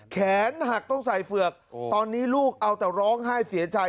แขนหักต้องใส่เฝือกตอนนี้ลูกเอาแต่ร้องไห้เสียใจ